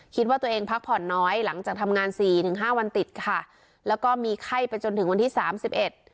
คิดว่าตัวเองพักผ่อนน้อยหลังจากทำงานสี่ถึงห้าวันติดค่ะแล้วก็มีไข้ไปจนถึงวันที่สามสิบเอ็ด